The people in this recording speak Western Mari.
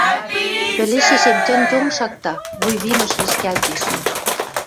Пӹлӹшешем тьонг-тьонг шакта, вуй вимӹш рӹшкӓлтеш.